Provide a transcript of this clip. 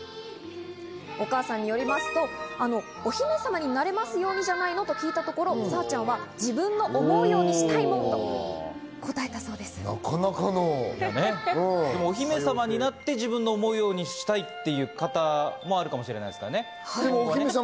お母さんによりますと、お姫様になれますようにじゃないのと聞いたところ、さぁちゃんは自分の思うようにしたいのと答えたそなかなかの。お姫様になって自分の思い通りにしたいいっていう方も。